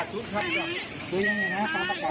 ผมจะมาคุยอีกครั้งนี้ครั้งเดียว